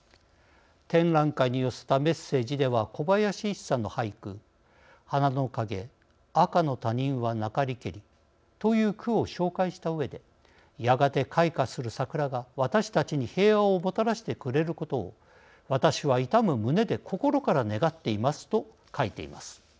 展覧会に寄せたメッセージでは小林一茶の俳句「花の陰赤の他人はなかりけり」という俳句を紹介したうえで「やがて開花する桜が私たちに平和をもたらしてくれることを私は痛む胸で心から願っています」と書いています。